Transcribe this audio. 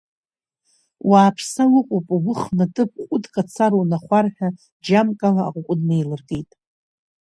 Уааԥса уҟоуп угәы хнатып ҟәыдк ацара унахәар ҳәа џьамк ала аҟәыд неилыркит.